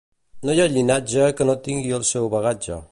No hi ha llinatge que no tingui el seu bagatge.